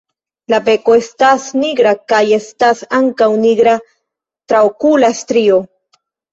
La beko estas nigra kaj estas ankaŭ nigra traokula strio.